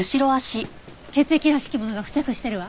血液らしきものが付着してるわ。